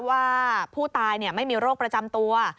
ว่าผู้ตายไม่มีโรคประจำตัว